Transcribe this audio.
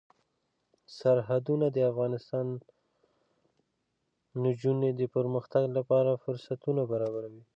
سرحدونه د افغان نجونو د پرمختګ لپاره فرصتونه برابروي.